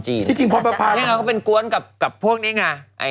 นี่ไงเขาเป็นกวนกับพวกนี้ไง